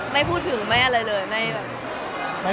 ไม่พูดถึงแม่เลยเลย